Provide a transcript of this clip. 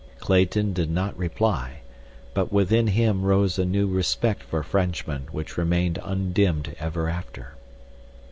Clayton did not reply, but within him rose a new respect for Frenchmen which remained undimmed ever after.